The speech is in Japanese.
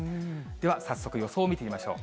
では、早速予想を見てみましょう。